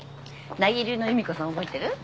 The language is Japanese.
名木流の夕美子さん覚えてる？